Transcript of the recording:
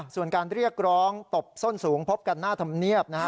ส่วนการเรียกร้องตบส้นสูงพบกันหน้าธรรมเนียบนะฮะ